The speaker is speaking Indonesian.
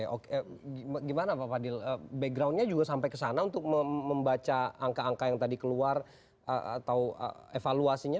oke gimana pak fadil backgroundnya juga sampai ke sana untuk membaca angka angka yang tadi keluar atau evaluasinya